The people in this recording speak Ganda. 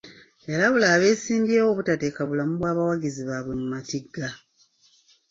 Yalabula abeesimbyewo obutateeka bulamu bwa bawagizi bwabwe mu matigga.